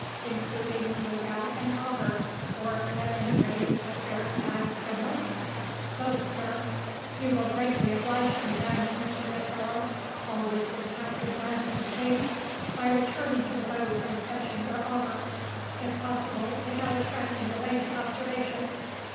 "Including, no doubt, an auger, or, at any rate, a fair sized gimlet?" "Both, sir." "You will greatly oblige me, then, Mr. Goodfellow always with Captain Branscome's leave by returning to the boat and fetching your auger; if possible, without attracting the ladies' observation.